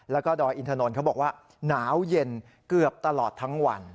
แล้วก็ดอยอินทนนท์เขาบอกว่าหนาวเย็นเกือบตลอดทั้งวัน